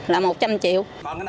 là một trăm linh triệu